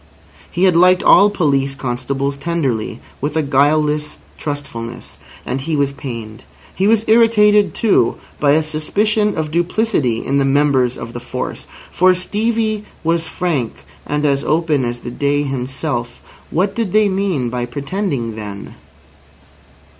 He had liked all police constables tenderly, with a guileless trustfulness. And he was pained. He was irritated, too, by a suspicion of duplicity in the members of the force. For Stevie was frank and as open as the day himself. What did they mean by pretending then?